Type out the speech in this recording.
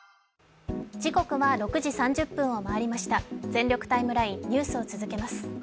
「全力タイムライン」ニュースを続けます。